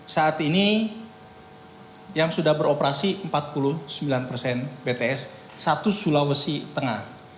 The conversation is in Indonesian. saat ini yang sudah beroperasi empat puluh sembilan persen bts satu sulawesi tengah